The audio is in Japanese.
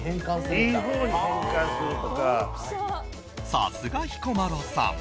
さすが彦摩呂さん。